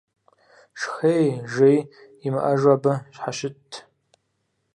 Шхэи жеи имыӀэжу абы щхьэщытт.